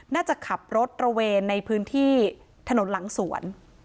น่าจะขับรถระเวนในพื้นที่ถนนหลังสวน